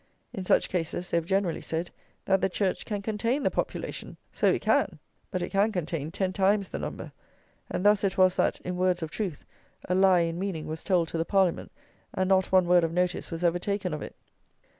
In such cases they have generally said that the church can contain "the population!" So it can; but it can contain ten times the number! And thus it was that, in words of truth, a lie in meaning was told to the Parliament, and not one word of notice was ever taken of it.